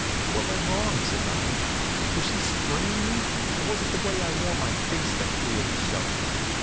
"What went wrong?" says I. "Was she stringin' you, or was it the way I wore my face that queered the show?"